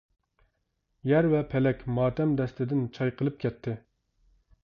يەر ۋە پەلەك ماتەم دەستىدىن چايقىلىپ كەتتى.